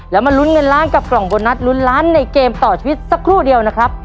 แล้วมาลุ้นเงินล้านกับกล่องโบนัสลุ้นล้านในเกมต่อชีวิตสักครู่เดียวนะครับ